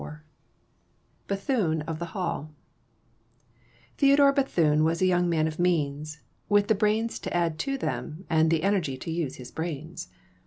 IV BETHUNE OF THE HALL Theodore Bethune was a young man of means, with the brains to add to them, and the energy to use his brains.